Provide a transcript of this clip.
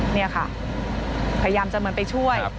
นี่ค่ะพยายามจะเหมือนไปช่วย